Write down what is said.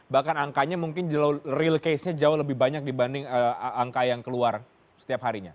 bahkan angkanya mungkin real case nya jauh lebih banyak dibanding angka yang keluar setiap harinya